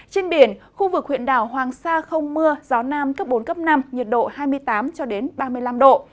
trên biển khu vực huyện đảo hoàng sa không mưa gió nam cấp bốn cấp năm nhiệt độ hai mươi tám ba mươi năm độ